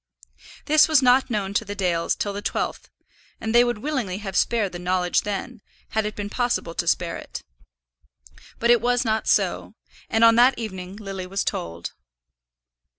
This was not known to the Dales till the twelfth, and they would willingly have spared the knowledge then, had it been possible to spare it. But it was not so, and on that evening Lily was told.